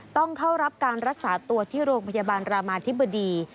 ต้องเข้ารับการรักษาตัวที่โรงพยาบาลรามาธิบดี